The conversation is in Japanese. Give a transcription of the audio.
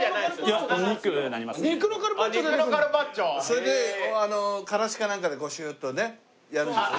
それでカラシかなんかでこうシューッとねやるんでしょ？